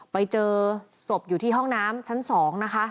ไปเจอศพอยู่ที่ห้องน้ำชั้น๒นะคะ